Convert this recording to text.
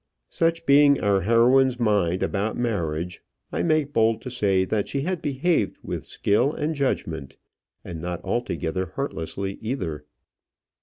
Such being our heroine's mind about marriage, I make bold to say that she had behaved with skill and judgment, and not altogether heartlessly either.